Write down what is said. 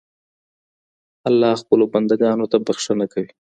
الله خپلو بنده ګانو ته بخښنه کوي.